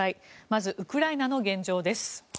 まず、ウクライナの現状です。